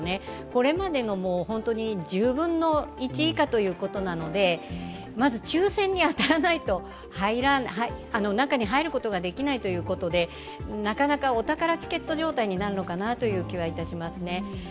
これまでの１０分の１以下ということなのでまず抽選に当たらないと中に入ることができないということで、なかなかお宝チケット状態になるのかなという気はいたします。